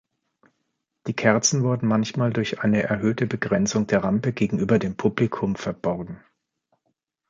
Die Kerzen wurden manchmal durch eine erhöhte Begrenzung der Rampe gegenüber dem Publikum verborgen.